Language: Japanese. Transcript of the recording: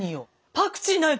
パクチーない。